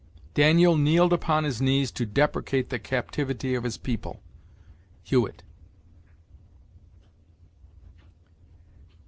"Daniel kneeled upon his knees to deprecate the captivity of his people." Hewyt.